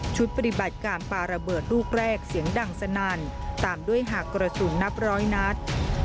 ปฏิบัติการปลาระเบิดลูกแรกเสียงดังสนั่นตามด้วยหากกระสุนนับร้อยนัด